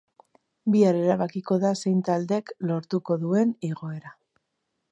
Bihar erabakiko da zein taldek lortuko duen igoera.